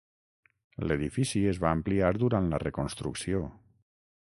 L'edifici es va ampliar durant la reconstrucció.